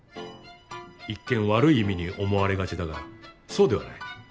一見悪い意味に思われがちだがそうではない。